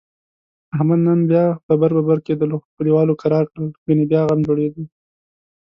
احمد نن بیا ببر ببر کېدلو، خو کلیوالو کرارکړ؛ گني بیا غم جوړیدا.